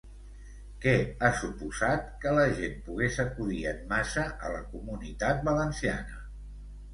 Què ha suposat que la gent pogués acudir en massa a la Comunitat Valenciana?